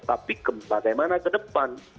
tapi bagaimana ke depan